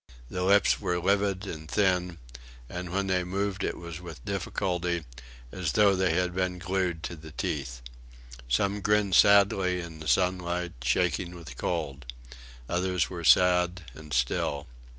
The lips were livid and thin, and when they moved it was with difficulty, as though they had been glued to the teeth. Some grinned sadly in the sunlight, shaking with cold. Others were sad and still.